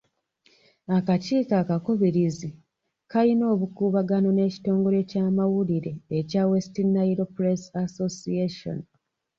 Akakiiko akakubirizi kayina obukuubagano n'ekitongole ky'amawulire ekya West Nile press association.